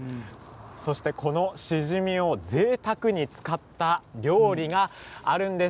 そして、このシジミをぜいたくに使った料理があるんです。